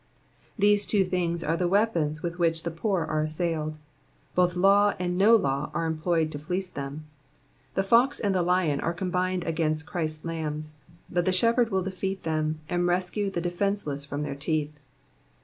'''* These two things are the weapons with which the poor are assailed : both law and no law are employed to fleece them. The fox and the lion are combined against Christ's lambs, but the Shepherd will defeat them, and rescue the defenceless from their teeth.